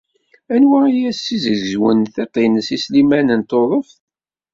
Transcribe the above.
Anwa ay as-yezzegzwen tiṭ-nnes i Sliman n Tuḍeft?